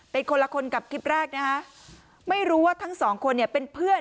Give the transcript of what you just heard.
เป็นคนละคนกับคลิปแรกนะฮะไม่รู้ว่าทั้งสองคนเนี่ยเป็นเพื่อน